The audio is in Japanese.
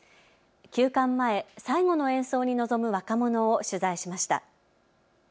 休館前、最後の演奏に臨む若者を取材しました。